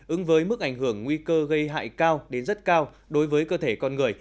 ứng với mức ảnh hưởng nguy cơ gây hại cao đến rất cao đối với cơ thể con người